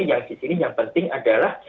yang di sini yang penting adalah